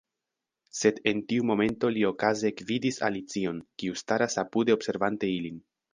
Sed en tiu momento li okaze ekvidis Alicion, kiu staras apude observante ilin.